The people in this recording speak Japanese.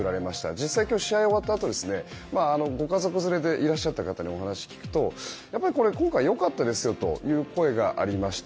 実際、今日試合終わったあとにご家族連れでいらっしゃた方にお話を聞くとやっぱり今回、良かったですよという声がありました。